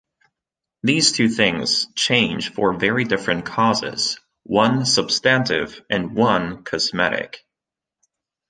These two things change for very different causes; one substantive, and one cosmetic.